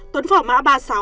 tuấn phỏ má ba mươi sáu